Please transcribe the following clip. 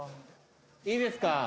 いいですか？